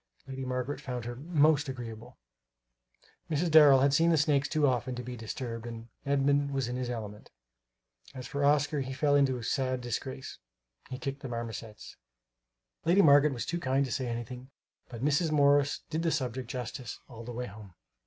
Lady Margaret found her "most agreeable." Mrs. Darrel had seen the snakes too often to be disturbed, and Edmund was in his element. As for Oscar, he fell into sad disgrace he kicked the marmosets. Lady Margaret was too kind to say anything; but Mrs. Morris did the subject justice all the way home.